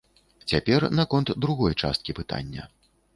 Цяпер наконт другой часткі пытання.